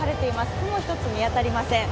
雲１つ見当たりません。